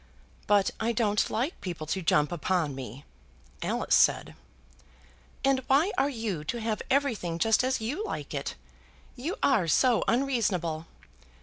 "But I don't like people to jump upon me," Alice said. "And why are you to have everything just as you like it? You are so unreasonable.